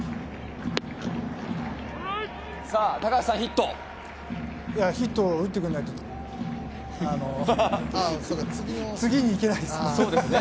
ヒットを打ってくれないと次にいけないです。